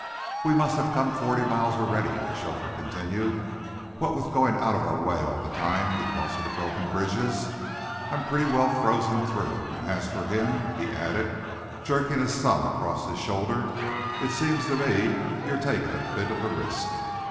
"We must have come forty miles already," the chauffeur continued, "what with going out of our way all the time because of the broken bridges. I'm pretty well frozen through, and as for him," he added, jerking his thumb across his shoulder, "it seems to me you're taking a bit of a risk."